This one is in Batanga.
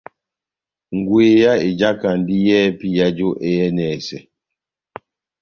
Ngweya ejakandi yɛhɛpi yajú e yɛnɛsɛ.